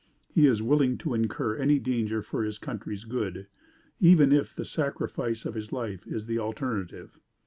He is willing to incur any danger for his country's good, even if the sacrifice of his life is the alternative.